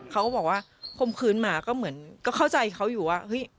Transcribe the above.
เขาก็บอกว่าข่มขืนหมาก็เหมือนเข้าใจเขาอยู่ว่า